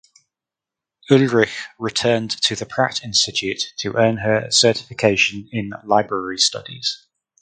Ulrich returned to the Pratt Institute to earn her certification in library studies.